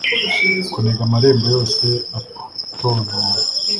Kuniga amarembo yose atontoma